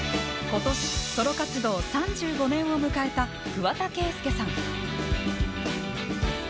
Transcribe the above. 今年ソロ活動３５年を迎えた桑田佳祐さん。